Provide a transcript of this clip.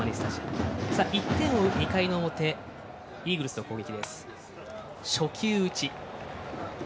１点を追う２回の表イーグルスの攻撃。